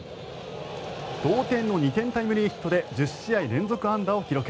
同点の２点タイムリーヒットで１０試合連続安打を記録。